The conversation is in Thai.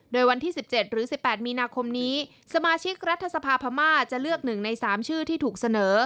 โดยวันที่๑๗หรือ๑๘มีนาคมนี้สมาชิกรัฐสภาพม่าจะเลือก๑ใน๓ชื่อที่ถูกเสนอ